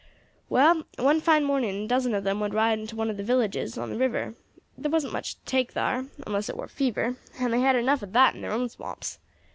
Well, one fine morning a dozen of them would ride into one of the villages on the river. Thar wasn't much to take thar, you know, onless it war fever, and they had enough of that in thar own swamps.